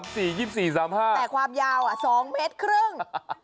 แต่ความยาว๒เมตรครึ่ง